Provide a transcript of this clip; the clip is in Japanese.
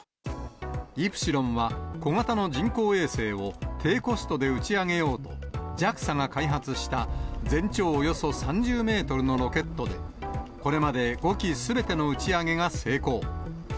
イプシロンは、小型の人工衛星を低コストで打ち上げようと、ＪＡＸＡが開発した全長およそ３０メートルのロケットで、これまで５機すべての打ち上げが成功。